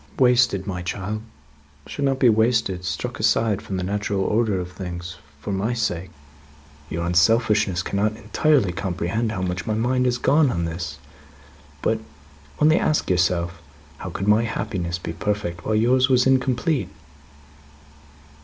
" wasted, my child should not be wasted, struck aside from the natural order of things for my sake. Your unselfishness cannot entirely comprehend how much my mind has gone on this; but, only ask yourself, how could my happiness be perfect, while yours was incomplete?"